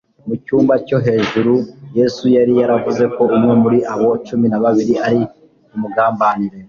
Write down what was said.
Mu cyumba cyo hejurut, Yesu yari yaravuze ko umwe muri abo cumi na babiri ari bumugambanire,